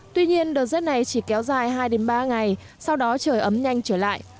tuy nhiên đợt rét này chỉ kéo dài hai ba ngày sau đó trời ấm nhanh trở lại